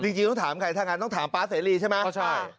เรียกจริงต้องถามใครทั้งต้องถามป๊าเซรีใช่ไหม